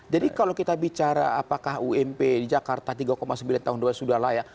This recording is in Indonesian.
jadi kalau kita bicara apakah ump di jakarta tiga sembilan tahun dua sudah layak